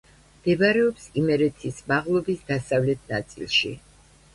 მდებარეობს იმერეთის მაღლობის დასავლეთ ნაწილში.